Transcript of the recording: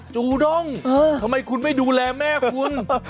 จูด้งทำไมคุณไม่ดูแลแม่คุณ